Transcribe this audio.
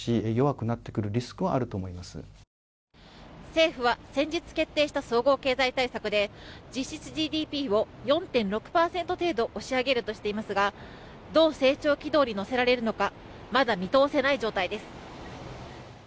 政府は先日決定した総合経済対策で実質ＧＤＰを４．６％程度押し上げるとしていますがどう成長軌道に乗せられるのかまだ見通せない状態です。